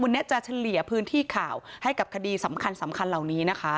วันนี้จะเฉลี่ยพื้นที่ข่าวให้กับคดีสำคัญสำคัญเหล่านี้นะคะ